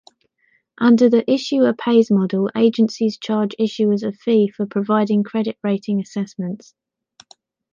Under the issuer-pays model, agencies charge issuers a fee for providing credit rating assessments.